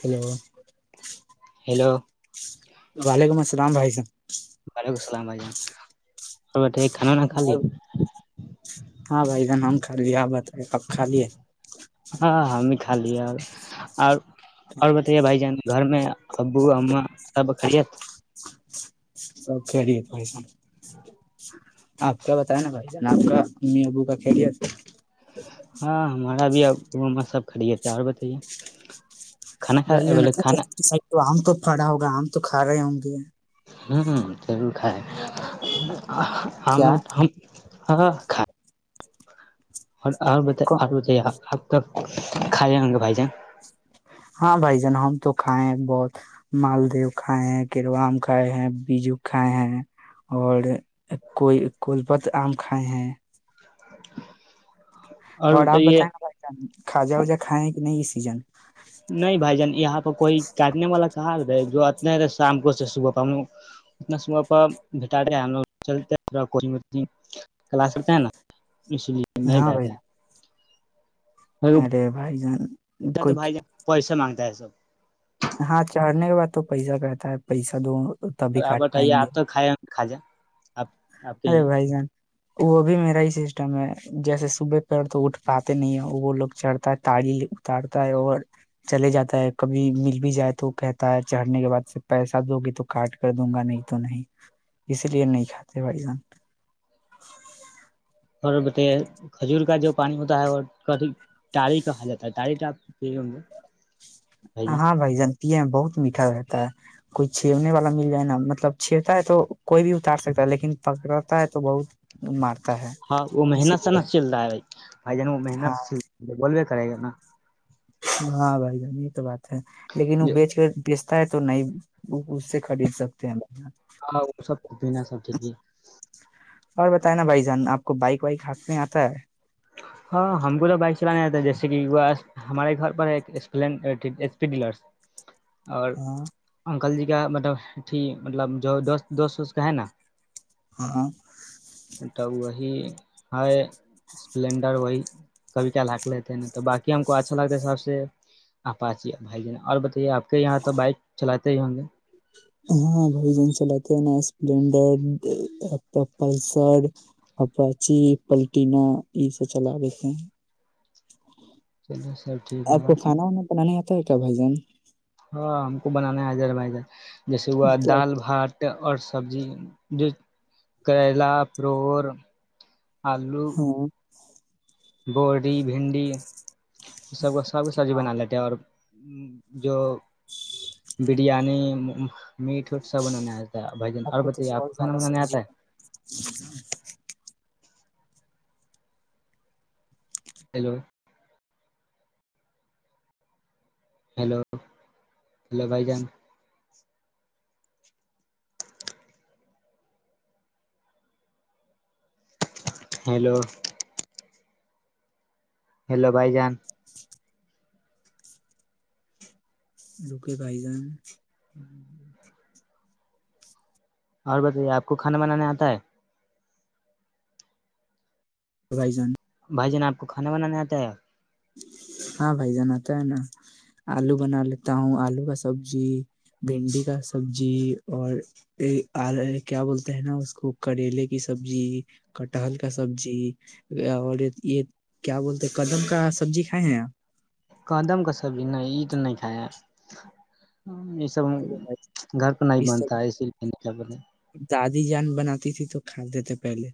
Hello hello وعلیکم السلام بھائی صاحب وعلیکم السلامائی ج اور کھانا نہا کالی ہاں بھائی ج ن ہم کھ لے آپ بت اب کھ لیے ہاں ہم بھی کھا لیا اور اور بتائیے بھائی جان گھر میں ابو ااں سب ب خریت سب کھیلے تھ بھائی جان آپ کا بتیا نا بھائی جان آپ کا امی ابو کا کھیلے تھا ہاں ہم ابھی میں سب خڑیے تھ اور بتے جائی ہم تو کھڑا ہوگا آم تو کھا رہے ہوں گے ہوں ضرور کائے ہم کیا میں تو ہم ہاں کا اور اور بتائی بتائیے آپ تو خھے گنگے پائی ہاں بھائی جان ہم تو کھائے ہیں بہت مالدو کھائے ہیں کیڑوا آم کھائے ہیں بیجو کھائے ہیں اور کوئی کولپت آم کھائے ہیں اور ڈ ہب ت بتائیے بتاانی خاجا وجا کائےیں کہ نہیں یہ سیزن نہیں بھائی جان یہاں پہ کوئی کاٹنے والا کہاں رہے جو اتنا شام کو صبح ہم لوگ اتنابح بٹاتے ہیں ہم لوگ چلتے پا کوچنگ وچگ کلاس کرتے ہیں نا اس لیے نہیں ہاں بھائی بیٹھے ارے بھائی جان تو کوئی بھائی ج پیسے مانگ دہذب ہاں چڑھنے کے بعد تو پیسہ کہتا ہے پیسہ دونوں بر آابر توے آپ تو کائے کھاجا آپ آپ کے ارے یہاں بھائی جان وہ بھی میرا ہی سسٹم ہے جیسے صبح پڑ تو اٹھ پاتے نہیں ہے وہ لوگ چڑھتا ہے تاریی اتارتا ہے اور چلے جاتا ہے کبھی مل بھی جائے تو کہتا ہے چڑھنے کے بعد پیسہ دو گے تو کاٹ کر دوں گا نہیں تو نہیں اس لیے نہیں کھاتا ا بائی جان اور ب کھجور کا جو پانی ہوتا ہے وہ کھی تٹڑی کہا جاتا ہے تڑیپ گ ہاں بھائی جن پیے میں بہت میٹھا رہتا ہے کوئی چھیڑنے والا مل جائے نا مطلب چھیڑتا ہے تو کوئی بھی اتار سکتا ہے لیکن پکڑا ہے تو بہت مارتا ہے ہاں وہ اسی محنت سے لیے نہ چل رہا ہے بھائی بھائی جان وہ ہاں محنت سے چل بول دڑیانا ہاں بھائی جن یہ تو بات ہے لیکن وہ بیچ کے بیچ تو نہیں اس سے خرید سکتے ہیں جان ہاں وہ سب بنا سب چے اور بتائ نا بھائی جان آپ کو بائک وائک ہاتھ میں آتا ہے ہاں ہم کو تو بائک چلانے آتا ہے جیسے کہ وہ ہمارے گھر پر ہےپپی ڈلرس اور ہاں کل جی کا مطلب اھی مطلب جو دوست دوست وست کا ہے نا ہاں ہاں ب وہی ہے اسپلینڈ وہی کبھی کیا ل لیتے نا تو بای ہم کو اچھا لگتا ہے سب سے آپاچ بھائی ج اور بتائیے آپ یہاں تو بائک چلاتے دی ہو گ ہاں بو جن چلاتتے نا اسپلینڈرلسر اپاچی پلٹینا یہ سب چلا دیتے چل آپ کو کھانا وانا بنانا آتا ت کیا بائی جان ہاں ہم کو بنانا ہے ہزار بائی ہزار جیسے ہوا کیا؟ دال بھات اور سبزی جو کریلا پروڑ آلو ہاں بی بھنڈی سب کو سب کو سبزی بنا لیتے اور جو بریانی میٹ وٹ سب بنانے آتا ہے بھ جان اور تو بتائیے آپ کو بہت کھانا زیادہ بنانے آتا سبزی ہے ہیلو ہیلو ہیلو بھائی جان ہیلو ہیلو بھائی جان [inaudible] لوکے پھائی جان اور بتائیے آپ کو کھانا بنانا آتا ہے بزائی جان بھائی جان آپ کو کھانا بنانا آتا ہےیا ہاں بھائی جناتا ہے نا آلو بنا لیتا ہوں آلو کا سبزی بھنڈی کا سبزی اور کیا بولتا ہے نا اس کو کریلے کی سبزی کٹہل کا سبزی اور یہ کیا بولتے قدم کا سبزی کھائے ہیں نا کدم کا سبھی نے اینٹ نہیں کھایا یہ سب گھر کو نہیں یہ بنتا اسی لیے نہیں کیا بنے ر جان بناتی تھی تو کھاتے تھے پہلے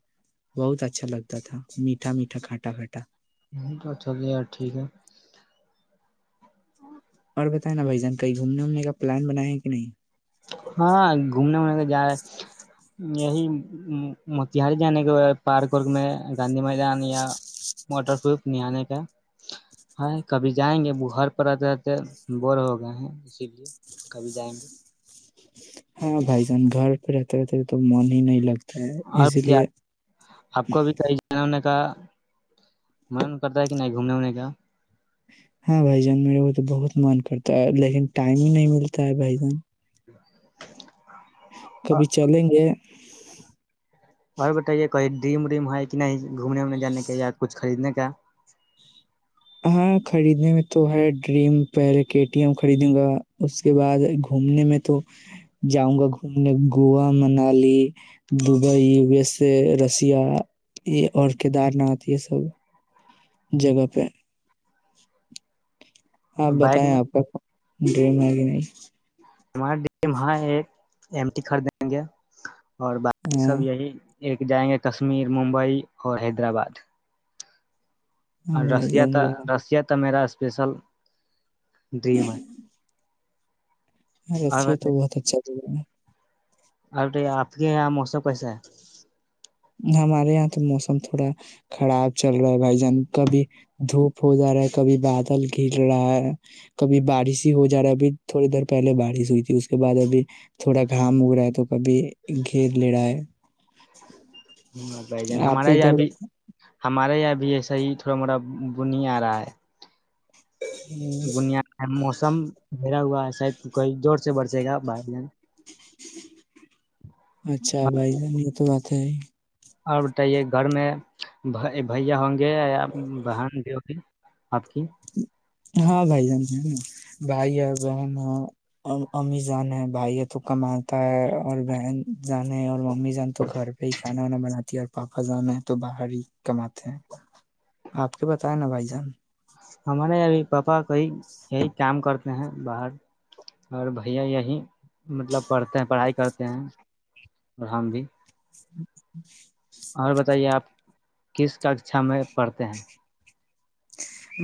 بہت اچھا لگتا تھا میٹھا میٹھا کھٹا کھٹا ہ تو اچھا تو یار ٹھیک ہے اور بتائیں نا بھائی جان کہیں گھومنے وومنے کا پلان بنایا ہے کہ نہیں ہاں گھومنے وومنے کا جائے یہی موتہاری جانے کا پارک وورک میں گاندھی میدان یا واٹر پروف نہ آانے کا ہےاں کبھی جائیں گے وہ گھر پر رہتے رہتے بور ہو گئے ہیں اسی لیے کبھی جائیں گے ہاں بھائی جان گھر پہ رہتے رہتے تو من ہی نہیں لگتا ہے اور اسی کیا لیے آپ کو بھی کئی جن ہونے کا منن کرتا ہے کہ نہیں گھومنے ونے کیا ہاں بھائی جان میرے کو تو بہت من کرتا ہے لیکن ٹائم ہی نہیں ملتا ہے بھائی جان [inaudible] کبھی چلیں گے اور بتائیے کہئی ڈریم ڈریم ہے کہ نہیں گھومنے ونے جانے کا یا کچھ خریدنے کا ہاں خریدنے میں تو ہے ڈریم پہلے کے ٹی ایم خریدوں گا اس کے بعد گھومنے میں تو جاؤں گا گھومنے Goa Manali Dubai U S A Russia یہ اور کیدار ناتھ یہ سب جگہ پہ آپ بائک بتائیں میں آپ کا ڈریم ہے کہ نہیں ہمارے ڈاں ایک ایم ٹی خریدیں گے اور باقی ہاں سب یہی ایک جائیں گے کشمیر ممبئی اور حیدرآباد ہاں اور بھائی رشیا جان تھا واہ رشیا تو میرا اسپیشل ڈریم ہے ہاں اور رسی یہ تو بہت اچھا جگہ ہے ا آپ کے یہاں موسم کیسا ہے ہمارے یہاں تو موسم تھوڑا خراب چل رہا ہے بھائی جان کبھی دھوپ ہو جا رہا ہے کبھی بادل گر رہا ہے کبھی بارش ہی ہو جا رہا ہے ابھی تھوڑی دیر پہلے بارش ہوئی تھی اس کے بعد ابھی تھوڑا گھام اگ رہا ہے تو کبھی گھیر لے رہا ہے ہ بھ جان آپ ہمارے یہاں ادھر بھی ہمارے یہاں ابھی ایسا ہی تھوڑا موٹا بن آ رہا ہے دنیا موسم گہرا ہوا ہے شاید کوئی زور سے برسے گا بارین اچھا بھائی جان یہ تو بات ا [unintelligible] اور بتائیے گھر میں بھیا ہوں گے یا بہن بھیو بھی آپ کی ہاں بھائی جان ہے نا بھائی ہے بہن ہے امی جان ہے بھائی ہے تو کماتا ہے اور بہن جان ہے اور امیزان تو گھر پہ ہی کھانا وانا بناتی اور پاپا جانا ہے تو باہر ہی کماتے ہیں آپ کے بتائے نا بھائی جان ہمارے یہب پاپا کہئی یہی کام کرتے ہیں باہر اور بھیا یہی مطلب پڑھتے ہیں پڑھائی کر ہیں اور ہم بھی [inaudible] اور بتائیے آپ کس ککشا میں پڑھتے ہیں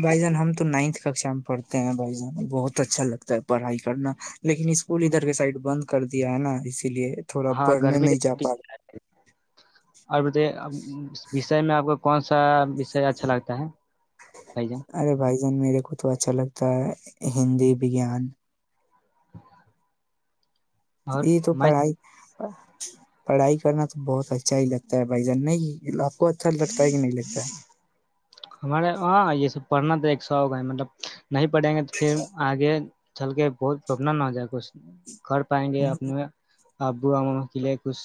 بھائی جان ہم تو نائنتھ ککشا میں پڑھتے ہیں بھائی جان بہت اچھا لگتا ہے پڑھائی کرنا لیکن اسکول ادھر کے سائڈ بند کر دیا ہے نا اس اس لیے تھوڑا ہاں پڑھنے گرمی کی نہیں جا چھٹی پا رہا اور بتائیے وسے میں آپ کو کون سا اس سے اچھا لگتا ہے بائی جن رہا ارے بھائی میرے کو تو اچھا لگتا ہے ہندی وگان اور یہ تو میں پڑھائی پڑھائی کرنا تو بہت اچھا ہی لگتا ہے بھائی جان نہیں کو اچھا لگتا ہے کہ نہیں لگتا ہمارے ہاں یہ سب پڑھنا تو ایک شوق ہے مطلب نہیں پڑھیں گے تو پھر آگے ا چھل کے بہت پربلم نہ ہو جائے گ میں کر پائیں گے ہے اپنے ابو ا قلے کچھ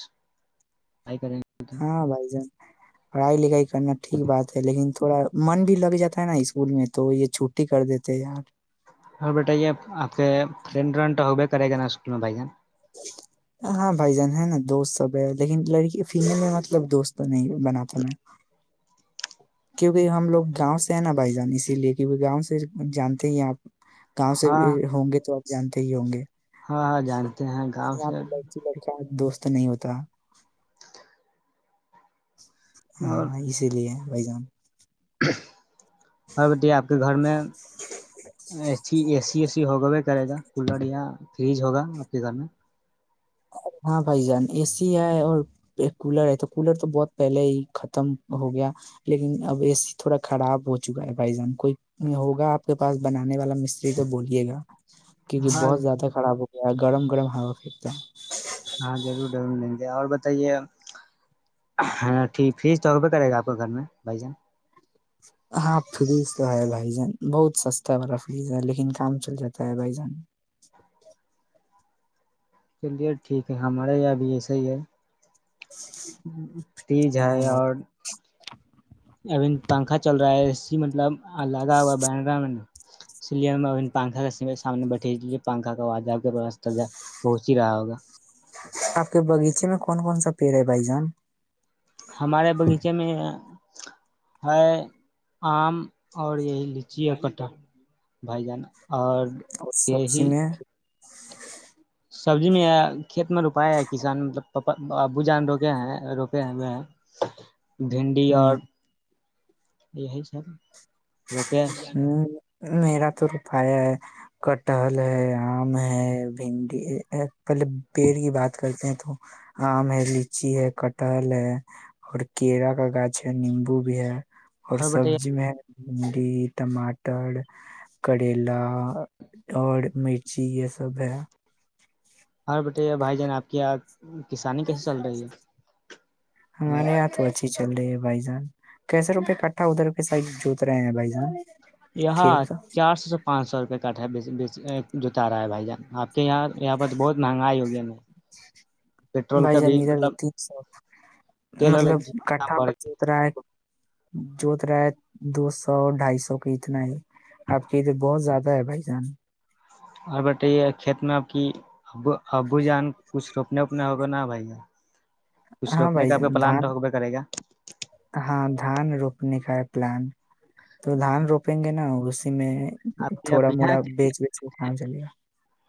آائی کریں گے تو۔ ہاں بھائی جان پڑھائی لکھائی کرنا ٹھیک بات ہے لیکن تھوڑا من بھی لگ جاتا ہے نا اسکول میں تو یہ چھٹی کر دیتے ہیں یار اور بیٹا یہ آپ کے فرینڈ رن تو ہوگ کرے گا اسکول میں بھائی جن ہاں بھائی جان ہے نا دوست سب ہے لیکن لڑکی فلم میں مطلب دوست تو نہیں بناتا میں کیونکہ ہم لوگ گاؤں سے ہیں نا بھائی جان اسی لیے کیونکہ گاؤں سے جانتے ہی آپ گاؤں سے ہاں بھی ہوں گے تو جانتے ہی ہوں گے ہاں ہاں جانتے ہیں گاؤں سے تو نہیں ہوتا ہاں اور اسی لیے بھائی جام اور بتے آپ کے گھر میں ا اے سی اے سی ہوگا وہ کرے گا کولر یا فریج ہوگا آپ کے گھر میں ہاں بھائی جان اے سی ہے اور کولر ہے تو کولر تو بہت پہلے ہی ختم ہو گیا لیکن اب اے سی تھوڑا خراب ہو چکا ہے بھائی جان کوئی ہوگا آپ کے پاس بنانے والا مستری تو بولیے گا کیونکہ ہاں بہت زیادہ خراب ہو گرم گرم ہوا خھرتا ہے ہاں ضرور ضرور لیں گے اور ب یہ ٹھیک فیس تو روپے کرے گا آپ کو گھر میں بھائی جان ہاں فریج تو ہے بھائی جان بہت سستا والا فریج ہے لیکن کام چل جاتا ہے بھائی جان چلیے ٹھیک ہے ہمارے یہاں ا بھی ایسے ہی ہے فریج ہاں ہے بھائی، اور اب پنکھا چل رہا ہے اسی مطلب اللہداوا بان رام اس لیے پنکھا کا سامنے بیٹے پنا کااب کا بہت ہی رہا ہوگا آپ کے باغیچے میں کون کون سا پیڑ ہے بھائی جان ہمارے باغیچے میں ہے آم اور یہی لچی ہے کٹر بھائی جانا اور سبزی میں سبزی میں کھیت میں روپائے ہے کسان مطلب پپا ابو جان روکے ہیں روکے ہیں وہ بھینڈی اور ہوں، اور یہی سر ہ نہیںیراتور پایا کٹہل ہے آم ہے بھنڈی پہلے پیڑ کی بات کرتے ہیں تو آم ہے لچی ہے کٹحل ہے اور کیرا کا گاچھ ہے نیمبو بھی ہے اور سبزی میں بھنڈی ٹماٹر کریلا اور مرچی یہ سب ہے ہر بیٹے بھائی جان آپ کی یہ کسانی کیسے چل رہی ہے چلے بھائی جان کیسے روپئے کٹھا ادھر کے س جوت رہے ہیں بھائی جان یہاں کھیت چار سو سے پانچ سو روپئے کٹ ہے بی جتا رہا ہے بھائی جان آپ کے یہاں یہاں پر تو بہت مہنگائی ہوگی ن پیٹرول بھائی کا جان بھی ادھر مطلب تین سو تیل اور مطلب دام کٹھا بڑھ پر جوت رہا ہے جوت رہا ہے دو سو ڈھائی سو کا اتنا ہے آپ کے ادھر بہت زیادہ ہے بھائی سان اور بتائیے کھیت میں آب کی اب ابو جان کچھ روپنے وپنے ہوگا نا بھائی کچھ ہاں روکنے بھائی کا آپ کا جان پلان تو دھان حقب کرے گا ہاں دھان رو آنی ک پلان تو دھان روپیں گے نا اس سے آپ کے یہاں تھوڑا بہار موڑا بیچ بیچ کے کام چلے گا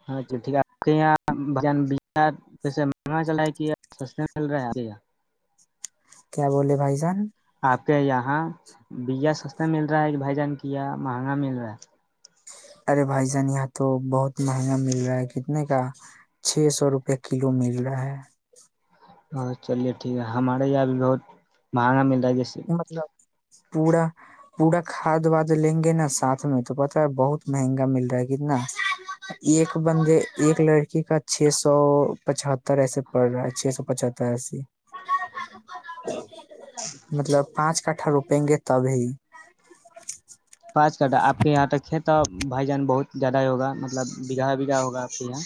ہاں ٹھیک آپ کے یہاں کیسے مہنگا چل کہ سس میں مل رہا ہے آپ کیا بولے بھائی جان آپ کے یہاں بیا سستا مل رہا ہے ایک بھائی جان کیا یہ مہنگا مل رہا ہے ارے بائی جان یہاں تو بہت مہنگا مل رہا ہے کتنے کا چھ سو روپے کلو مل رہا ہے ب چلیے ٹھیک ہے ہمارے یہ بھی بہت مہنگا ملتا مطلب پورا پورا کھاد واد لیں گے نا ساتھ میں تو پت ہے بہت مہنگا مل رہا ہے کتنا ایک بندے ایک لڑکی کا چھ سو پچہتر ایسے پڑ رہا ہے چھ سو پچتر ایسے [inaudible] پانچ کٹھا روپیں گے تبھی پانچ کنٹا آپ کے یہاں تک ہے تو بھائی جان بہت زیادہ ہی ہوگا مطلب بگھا بگھا ہوگا آپ کے یہاں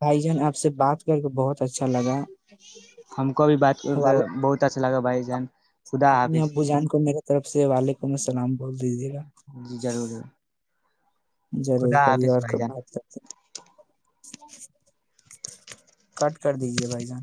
بھائی جان آپ سے بات کر کے بہت اچھا لگا ہم کو بھی بات کر کے وعلیکم بہت اچھا لگا بھ جان خدا امی حافظ ابو جان کو میرے طرف سے والک کو میں سلام بول دیجیے گا جی ضرور ضرور، ضرور خدا کبھی حافظ اورب بھائی جان بات کرتے ج کٹ کر دیجیے بھائی جان